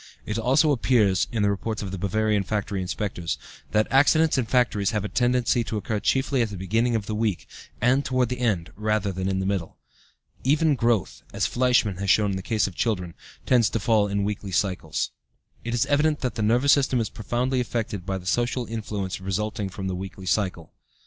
It also appears (in the reports of the Bavarian factory inspectors) that accidents in factories have a tendency to occur chiefly at the beginning of the week, and toward the end rather than in the middle. Even growth, as Fleischmann has shown in the case of children, tends to fall into weekly cycles. It is evident that the nervous system is profoundly affected by the social influences resulting from the weekly cycle.